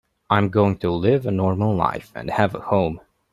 I'm going to live a normal life and have a home.